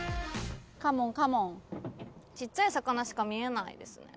カモンカモンちっちゃい魚しか見えないですね